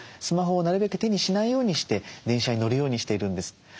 スマホをなるべく手にしないようにして電車に乗るようにしているんです。